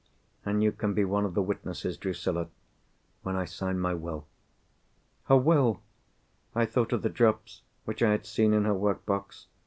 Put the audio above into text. And you can be one of the witnesses, Drusilla, when I sign my Will." Her Will! I thought of the drops which I had seen in her work box.